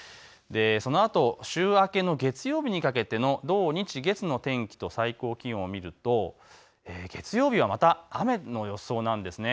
そのあと週明けの月曜日にかけての土日月の天気と最高気温を見ると月曜日はまた雨の予想です。